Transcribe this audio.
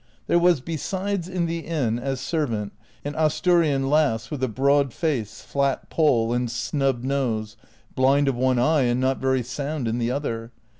There was besides in the inn, as servant, an Asturian lass with a broad face, flat poll, and snub nose, blind of one eye and not very sound in the other.